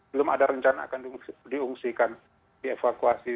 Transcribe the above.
belum ada rencana akan diungsikan dievakuasi